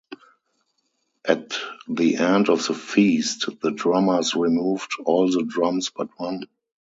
At the end of the feast, the drummers removed all the drums but one.